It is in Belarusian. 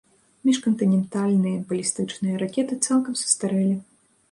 Міжкантынентальныя балістычныя ракеты цалкам састарэлі.